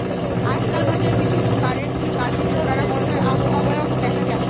আজকাল বাজারে বিভিন্ন কানের দুলে কার্টুনসহ নানা মজার অবয়ব দেখা যায়।